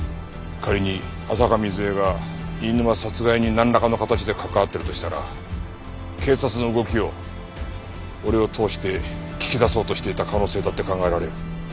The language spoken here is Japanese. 仮に浅香水絵が飯沼殺害になんらかの形で関わってるとしたら警察の動きを俺を通して聞き出そうとしていた可能性だって考えられる。